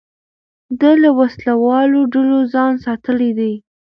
ده له وسلهوالو ډلو ځان ساتلی دی.